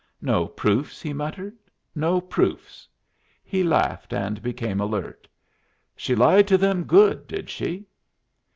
"No proofs!" he muttered. "No proofs!" He laughed and became alert. "She lied to them good, did she?"